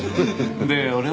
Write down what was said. で俺は？